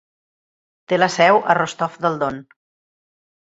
Té la seu a Rostov del Don.